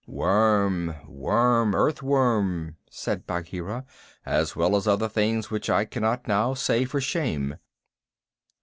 "Worm worm earth worm," said Bagheera, "as well as other things which I cannot now say for shame."